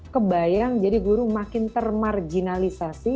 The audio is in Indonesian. kebayang jadi guru makin termarginalisasi